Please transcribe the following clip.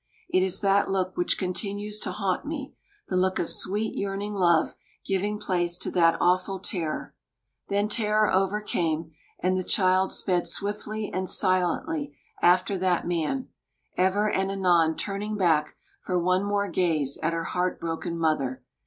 It is that look which continues to haunt me, the look of sweet, yearning love giving place to that awful terror. Then terror overcame, and the child sped swiftly and silently after that man, ever and anon turning back for one more gaze at her heartbroken mother.